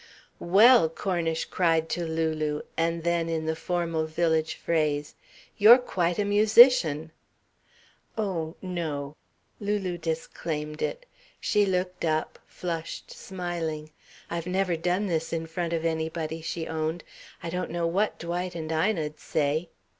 "Well!" Cornish cried to Lulu; and then, in the formal village phrase: "You're quite a musician." "Oh, no!" Lulu disclaimed it. She looked up, flushed, smiling. "I've never done this in front of anybody," she owned. "I don't know what Dwight and Ina'd say...."